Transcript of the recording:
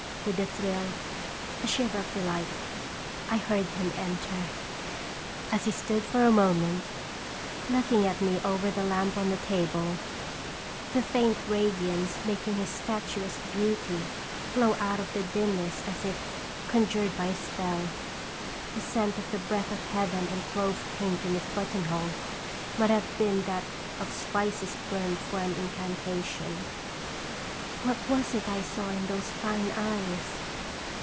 With a thrill, a shiver of delight, I heard him enter. As he stood for a moment, looking at me over the lamp on the table, the faint radiance making his statuesque beauty glow out of the dimness as if conjured by a spell, the scent of the breath of heaven and clove pink in his button hole might have been that of spices burned for an incantation. What was it I saw in those fine eyes?